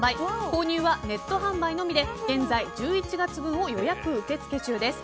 購入はネット販売のみで現在、１１月分を予約受け付け中です。